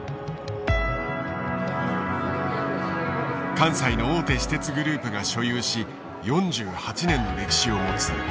関西の大手私鉄グループが所有し４８年の歴史を持つこのホテル。